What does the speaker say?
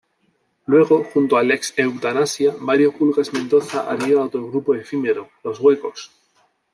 Luego, junto al ex Eutanasia, Mario "Pulgas" Mendoza, haría otro grupo efímero: Los Huecos.